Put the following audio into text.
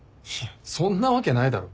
そんなわけないだろ。